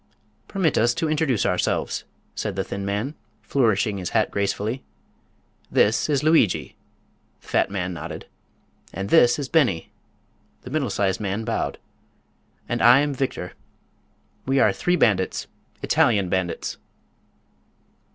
"Permit us to introduce ourselves," said the thin man, flourishing his hat gracefully. "This is Lugui," the fat man nodded; "and this is Beni," the middle sized man bowed; "and I am Victor. We are three bandits—Italian bandits."